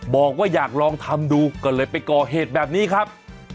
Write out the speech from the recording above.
บอกว่าอยากลองทำดูก็เลยไปก่อเหตุแบบนี้ครับ